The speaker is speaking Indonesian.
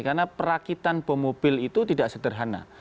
karena perakitan bom mobil itu tidak sederhana